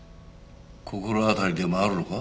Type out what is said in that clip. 心当たりでもあるのか？